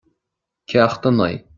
Ceacht a naoi